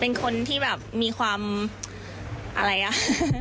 เป็นคนที่แบบมีความอะไรอ่ะ